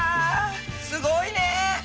すごいね。